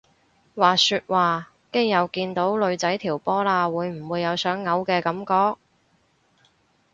話說話基友見到女仔條波罅會唔會有想嘔嘅感覺？